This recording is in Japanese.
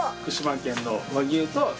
福島県の和牛と。